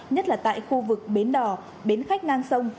nhất là tại khu vực bến đỏ bến khách ngang sông